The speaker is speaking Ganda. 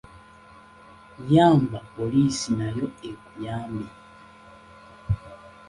Yamba poliisi nayo ekuyambe.